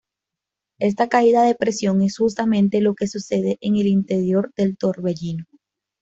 Esta caída de presión es justamente lo que sucede en el interior del torbellino.